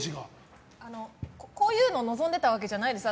こういうの望んでたわけじゃないです。